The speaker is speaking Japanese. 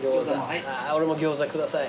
俺も餃子下さい。